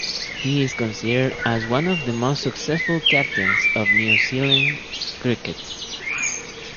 He is considered as one of the most successful captains of New Zealand cricket.